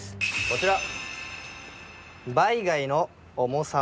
こちら。